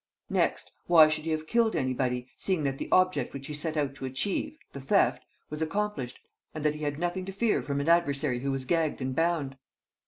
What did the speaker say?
Next, why should he have killed anybody, seeing that the object which he set out to achieve, the theft, was accomplished and that he had nothing to fear from an adversary who was gagged and bound?"